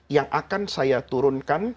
yang akan saya turunkan